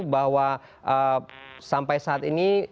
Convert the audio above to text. bahwa sampai saat ini